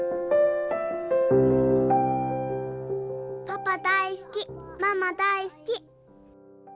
パパ大すきママ大すき。